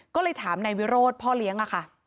ก็เลยถามนายวิโรธพ่อเลี้ยงค่ะ